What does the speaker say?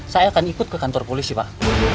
saya akan ikut ke kantor polisi pak